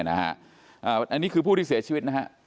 อันนี้คือผู้ที่เสียชีวิตนะฮะ